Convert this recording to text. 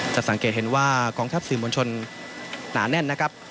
สังเกตเห็นว่ากองทัพสื่อมวลชนหนาแน่นนะครับ